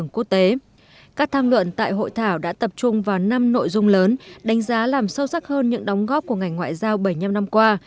các tham luận tại hội thảo đã tập trung vào năm nội dung lớn đánh giá làm sâu sắc hơn những đóng góp của ngành ngoại giao bảy mươi năm năm qua